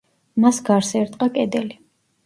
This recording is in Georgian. მას გარს ერტყა კედელი.